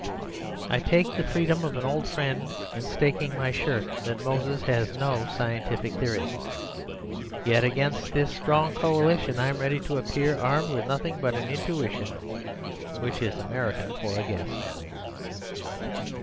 I take the freedom of an old friend in staking my shirt that Moses has no scientific theory. Yet against this strong coalition I am ready to appear, armed with nothing but an intuition—which is American for a guess."